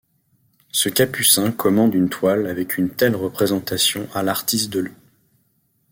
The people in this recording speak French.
Ce capucin commande une toile avec une telle représentation à l'artiste de l'.